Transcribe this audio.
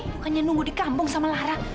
bukannya nunggu di kampung sama lahra